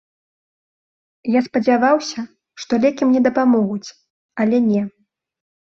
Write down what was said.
Я спадзяваўся, што лекі мне дапамогуць, але не.